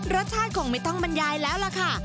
รสชาติคงไม่ต้องบรรยายแล้วล่ะค่ะ